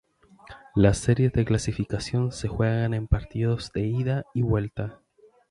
Las series de clasificación se juegan en partidos de ida y vuelta.